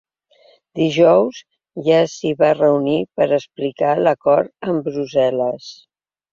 Dijous ja s’hi va reunir per explicar l’acord amb Brussel·les.